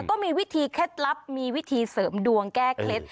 ก็มีวิธีเคล็ดลับมีวิธีเสริมดวงแก้เคล็ด